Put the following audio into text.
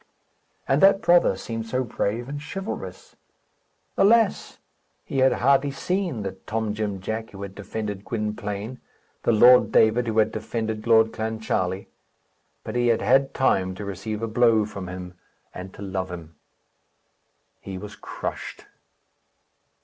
And that brother seemed so brave and chivalrous! Alas! he had hardly seen the Tom Jim Jack who had defended Gwynplaine, the Lord David who had defended Lord Clancharlie; but he had had time to receive a blow from him and to love him. He was crushed.